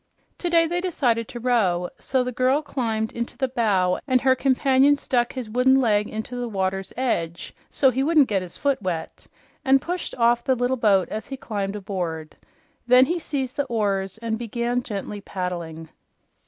Today they decided to row, so the girl climbed into the bow and her companion stuck his wooden leg into the water's edge "so he wouldn't get his foot wet" and pushed off the little boat as he climbed aboard. Then he seized the oars and began gently paddling.